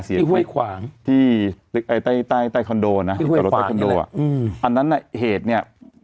ที่ห้วยขวางที่เอ่ยใต้ใต้ใต้คอนโดน่ะอันนั้นน่ะเหตุเนี่ย